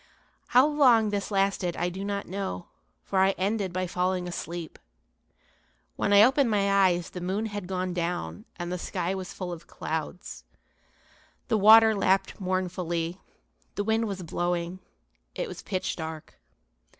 How long this lasted I do not know, for I ended by falling asleep. When I opened my eyes the moon had gone down and the sky was full of clouds. The water lapped mournfully, the wind was blowing, it was pitch dark.